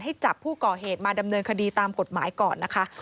จับผู้ก่อเหตุมาดำเนินคดีตามกฎหมายก่อนนะคะ